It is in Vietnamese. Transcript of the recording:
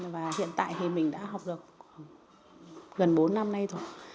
và hiện tại thì mình đã học được gần bốn năm nay rồi